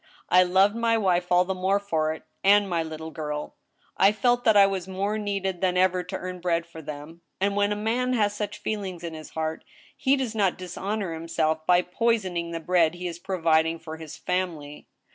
I loved my wife all the more for it— and my little girl. I felt that I was more needed than ever to earn bread for them ; and, when a man has such feelings in his heart, he does not dishonor himself by poisoning the bread he is providing for his family.